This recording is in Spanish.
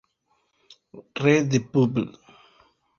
Re de Publ.